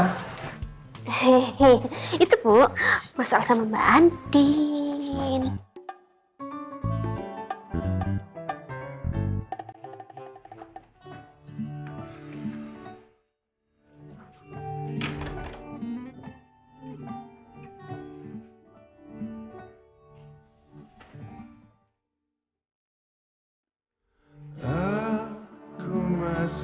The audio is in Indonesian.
hehehe itu bu masalah sama mbak andin